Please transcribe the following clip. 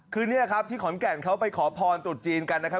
คือนี่ครับที่ขอนแก่นเขาไปขอพรตรุษจีนกันนะครับ